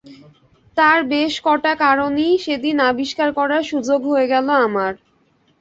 তার বেশ কটা কারণই সেদিন আবিষ্কার করার সুযোগ হয়ে গেল আমার।